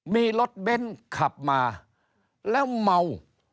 มีรถเบ้นขับมาแล้วเมา